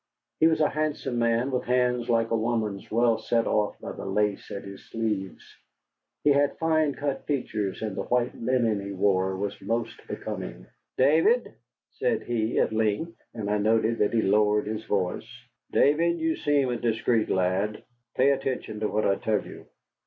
He was a handsome man, with hands like a woman's, well set off by the lace at his sleeves. He had fine cut features, and the white linen he wore was most becoming. "David," said he, at length, and I noted that he lowered his voice, "David, you seem a discreet lad. Pay attention to what I tell you.